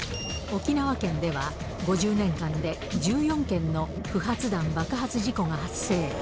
沖縄県では、５０年間で１４件の不発弾爆発事故が発生。